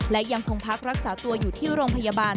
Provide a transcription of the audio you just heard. และยังคงพักรักษาตัวอยู่ที่โรงพยาบาล